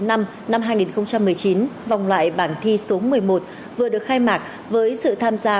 năm hai nghìn một mươi chín vòng loại bảng thi số một mươi một vừa được khai mạc với sự tham gia